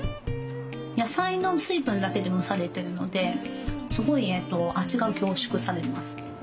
野菜の水分だけで蒸されてるのですごい味が凝縮されます。